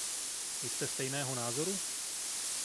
Jste stejného názoru?